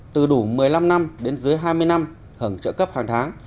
từ đủ một mươi năm năm đến dưới hai mươi năm hưởng trợ cấp hàng tháng